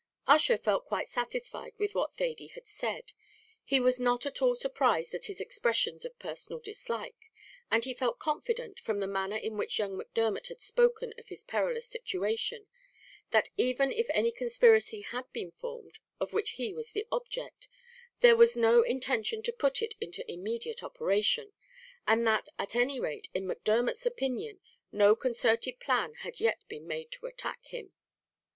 Ussher felt quite satisfied with what Thady had said. He was not at all surprised at his expressions of personal dislike, and he felt confident, from the manner in which young Macdermot had spoken of his perilous situation, that even if any conspiracy had been formed, of which he was the object, there was no intention to put it into immediate operation, and that, at any rate in Macdermot's opinion, no concerted plan had yet been made to attack him.